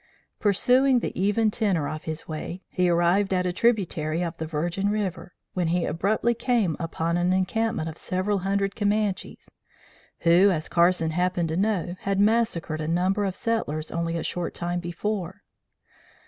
Pursuing the even tenor of his way, he arrived at a tributary of the Virgin River, when he abruptly came upon an encampment of several hundred Comanches, who, as Carson happened to know, had massacred a number of settlers only a short time before.